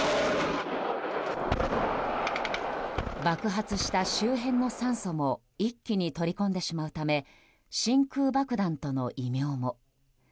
爆発した周辺の酸素も一気に取り込んでしまうため真空爆弾との異名も。